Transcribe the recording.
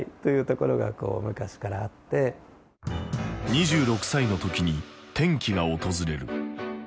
２６歳の時に転機が訪れる。